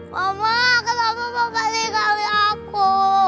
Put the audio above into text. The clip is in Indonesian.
mama kenapa kau tidak tinggalin aku